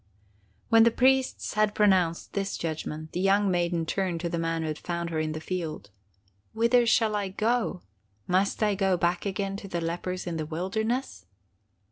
"When the priests had pronounced this judgment, the young maiden turned to the man who had found her in the field: 'Whither shall I go now? Must I go back again to the lepers in the wilderness?